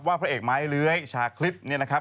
ว่าพระเอกไม้เลื้อยชาคลิปนี่นะครับ